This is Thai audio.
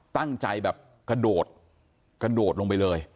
ตั้งใจแบบกระโดดกระโดดลงไปเลย